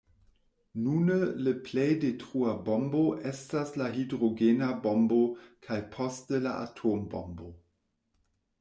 Nune la plej detrua bombo estas la hidrogena bombo kaj poste la atombombo.